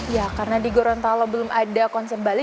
ya karena di gorontalo belum ada konsep bali